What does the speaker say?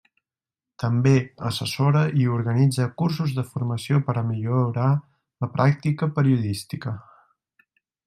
També assessora i organitza cursos de formació per a millorar la pràctica periodística.